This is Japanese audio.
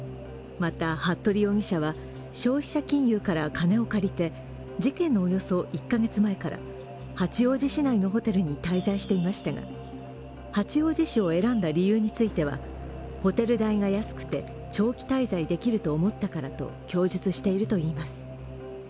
また、服部容疑者は消費者金融から金を借りて事件のおよそ１カ月前から八王子市内のホテルに滞在していましたが、八王子市を選んだ理由については、ホテル代が安くて長期滞在できると思ったからと供述しているといいます。